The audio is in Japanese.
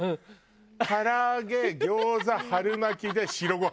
唐揚げ餃子春巻きで白ご飯。